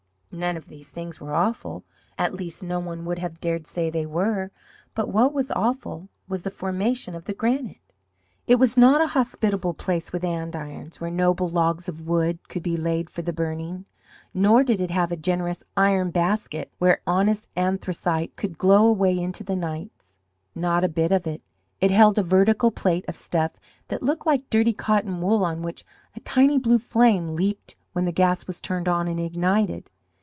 None of these things were awful. At least no one would have dared say they were. But what was awful was the formation of the grate. It was not a hospitable place with andirons, where noble logs of wood could be laid for the burning, nor did it have a generous iron basket where honest anthracite could glow away into the nights. Not a bit of it. It held a vertical plate of stuff that looked like dirty cotton wool, on which a tiny blue flame leaped when the gas was turned on and ignited.